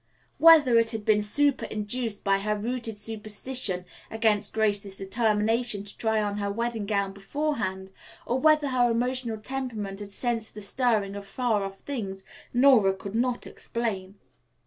Whether it had been superinduced by her rooted superstition against Grace's determination to try on her wedding gown beforehand, or whether her emotional temperament had sensed the stirring of far off things, Nora could not explain.